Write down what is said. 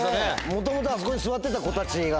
元々あそこに座ってた子たちが。